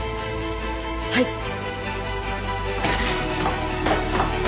はい。